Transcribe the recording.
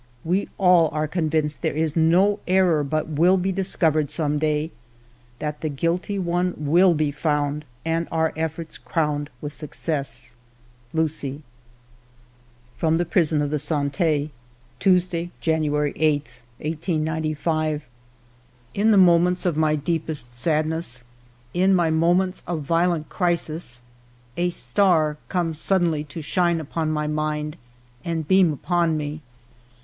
..." We all are convinced there is no error but will be discovered some day ; that the guilty one will be found, and our efforts crowned with success. ... Lucie." From the Prison of the Sante :—" Tuesday, January 8. "... In the mornents of my deepest sad ness, in my moments of violent crisis, a star ALFRED DREYFUS 59 comes suddenly to shine upon my mind and beam upon me.